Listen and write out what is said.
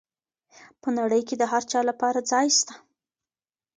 په نړۍ کي د هر چا لپاره ځای سته.